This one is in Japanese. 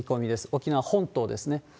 沖縄本島ですね。